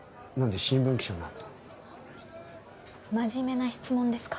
真面目な質問ですか？